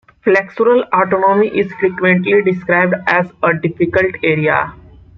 Flexural anatomy is frequently described as a difficult area.